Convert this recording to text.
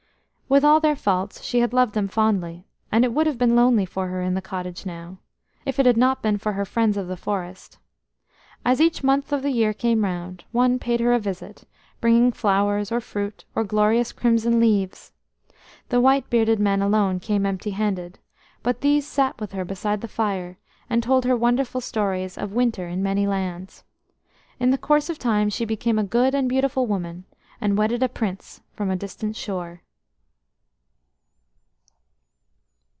With all their faults she had loved them fondly, and it would have been lonely for her in the cottage now, if it had not been for her friends of the forest. As each month of the year came round, one paid her a visit, bringing flowers or fruit, or glorious crimson leaves. The white bearded men alone came empty handed, but these sat with her beside the fire, and told her wonderful stories of winter in many lands. In the course of time she became a good and beautiful woman, and wedded a prince from a distant shore.